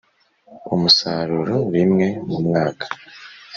umusaruro rimwe mumwaka